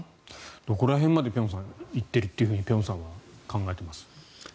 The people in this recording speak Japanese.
どこら辺まで行ってると辺さんは考えていますか？